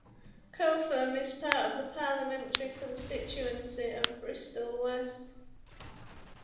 Cotham is part of the parliamentary constituency of Bristol West.